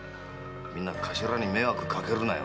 「みんな頭に迷惑かけるなよ。